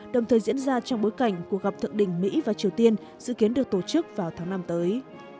đồng thời diễn ra trong bối cảnh cuộc gặp thượng đỉnh mỹ và triều tiên dự kiến được tổ chức vào tháng năm tới